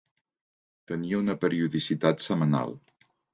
Tenia una periodicitat setmanal.